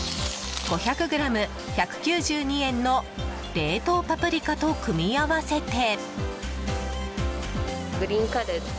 ５００ｇ１９２円の冷凍パプリカと組み合わせて。